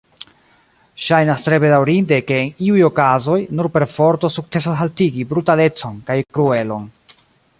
Ŝajnas tre bedaŭrinde, ke en iuj okazoj nur perforto sukcesas haltigi brutalecon kaj kruelon.